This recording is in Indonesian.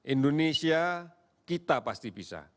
indonesia kita pasti bisa